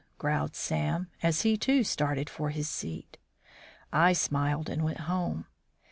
growled Sam, as he, too, started for his seat. I smiled and went home.